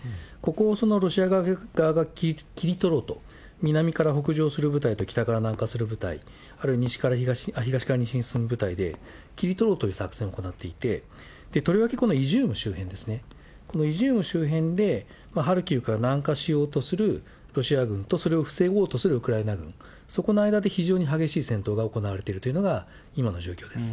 ここをロシア側が切り取ろうと、南から北上する部隊と北側、南下する部隊、あるいは東から西へ進む部隊で切り取ろうという作戦を行っていて、とりわけこのイジューム周辺ですね、このイジュームの周辺で、ハルキウから南下しようとするロシア軍と、それを防ごうとするウクライナ軍、そこの間で非常に激しい戦闘が行われているというのが今の状況です。